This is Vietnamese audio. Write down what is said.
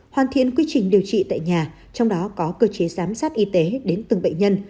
hoàn thiện quy trình điều trị tại nhà trong đó có cơ chế giám sát y tế đến từng bệnh nhân